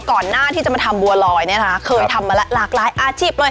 ก่อนหน้าที่จะมาทำบัวลอยเนี่ยนะคะเคยทำมาแล้วหลากหลายอาชีพเลย